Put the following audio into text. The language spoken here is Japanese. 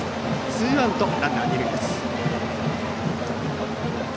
ツーアウトランナー、二塁です。